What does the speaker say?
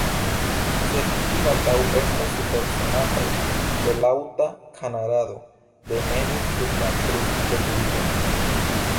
Sed ili baldaŭ estas supersonataj de laŭta knarado de neĝo sub la glitveturilo.